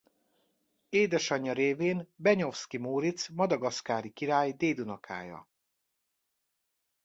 Édesanyja révén Benyovszky Móric madagaszkári király dédunokája.